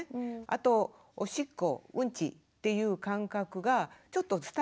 あとおしっこうんちっていう感覚がちょっと伝えることができる。